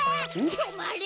とまれ！